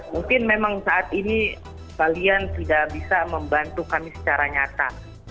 mungkin memang saat ini kalian tidak bisa membantu kami secara nyata